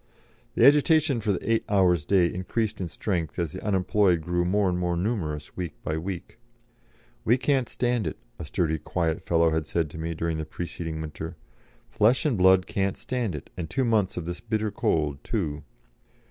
The agitation for the eight hours' day increased in strength as the unemployed grew more numerous week by week "We can't stand it," a sturdy, quiet fellow had said to me during the preceding winter; "flesh and blood can't stand it, and two months of this bitter cold, too."